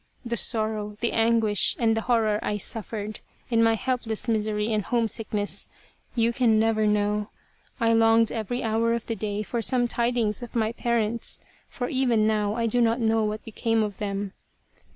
The sorrow, the anguish and the horror I suffered in my helpless misery and homesickness you can never know. I longed every hour of the day for some tidings of my parents, for even now, I do not know what became of them.